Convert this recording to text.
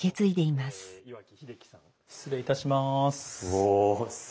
失礼いたします。